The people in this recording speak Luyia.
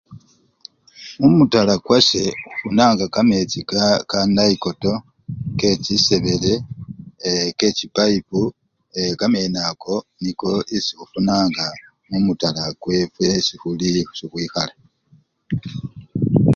Mumutala kwase efunanga kamechi kaa! kanayikota, kechisebele ee! kechipayipu ee! kamene ako niko kesikhufunanga mumutala kwefwe esikhuli yekhwikhala.